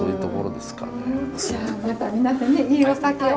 じゃあまた皆さんねいいお酒を！